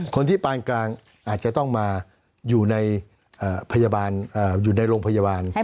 ปานกลางอาจจะต้องมาอยู่ในพยาบาลอยู่ในโรงพยาบาล